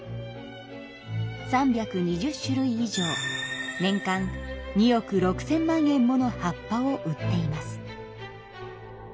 ３２０種類以上年間２億６千万円もの葉っぱを売っています。